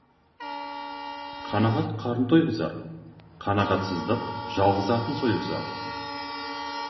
Қанағат қарын тойғызар, қанағатсыздық жалғыз атын сойғызар.